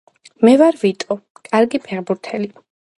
მე ვარ ვიტო კარგი ფეხბურთელი